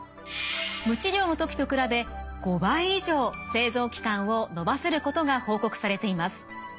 無治療の時と比べ５倍以上生存期間を延ばせることが報告されています。